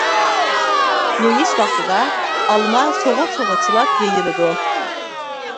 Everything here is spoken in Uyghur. يېيىش ۋاقتىدا ئالما سوغۇق سۇغا چىلاپ يېيىلىدۇ.